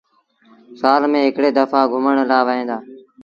سآل ميݩ هڪڙي دڦآ گھمڻ لآ وهيݩ دآ۔